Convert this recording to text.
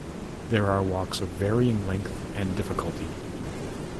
There are walks of varying length and difficulty.